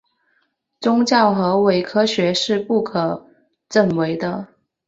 宗教和伪科学是不可证伪的。